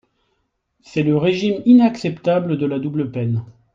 C’est le régime inacceptable de la double peine